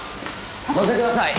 乗ってください。